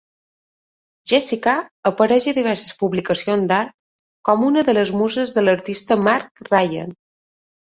Jessicka apareix a diverses publicacions d'art com una de les musses de l'artista Mark Ryden.